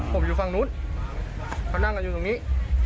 ผมอยู่ฝั่งนู้นเขานั่งกันอยู่ตรงนี้